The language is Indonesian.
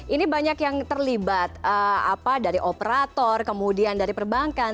ini banyak yang terlibat dari operator kemudian dari perbankan